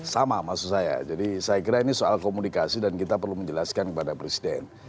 sama maksud saya jadi saya kira ini soal komunikasi dan kita perlu menjelaskan kepada presiden